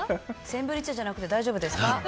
センブリ茶じゃなくて大丈夫ですか？